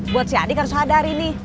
buat si adi harus sadar ini